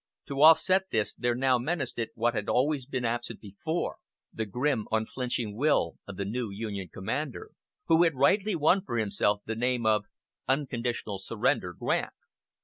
To offset this there now menaced it what had always been absent before the grim, unflinching will of the new Union commander, who had rightly won for himself the name of "Unconditional Surrender" Grant.